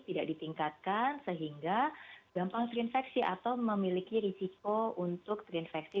tidak ditingkatkan sehingga gampang terinfeksi atau memiliki risiko untuk terinfeksi